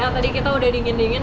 tadi kita udah dingin dingin